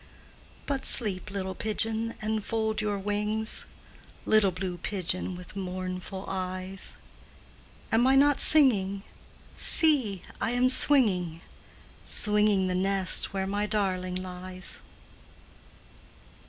But sleep, little pigeon, and fold your wings, Little blue pigeon with mournful eyes; Am I not singing? see, I am swinging Swinging the nest where my darling lies.